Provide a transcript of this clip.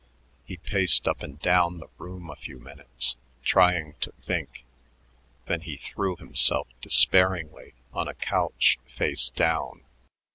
He paced up and down the room a few minutes trying to think. Then he threw himself despairingly on a couch, face down.